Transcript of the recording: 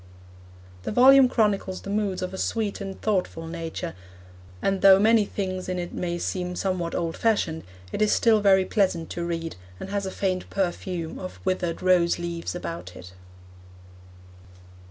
The volume chronicles the moods of a sweet and thoughtful nature, and though many things in it may seem somewhat old fashioned, it is still very pleasant to read, and has a faint perfume of withered rose leaves about it.